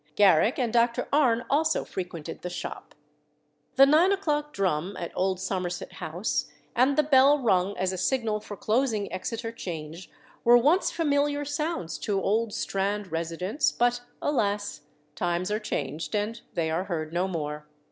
Garrick and Dr. Arne also frequented the shop. The nine o'clock drum at old Somerset House and the bell rung as a signal for closing Exeter Change were once familiar sounds to old Strand residents: but alas! times are changed; and they are heard no more.